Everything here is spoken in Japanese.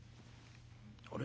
あれ？